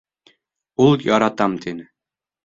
Ул «яратам» тине.